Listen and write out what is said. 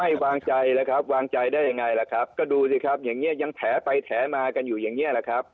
วางใจแล้วครับวางใจได้ยังไงล่ะครับก็ดูสิครับอย่างเงี้ยังแถไปแถมากันอยู่อย่างเงี้แหละครับ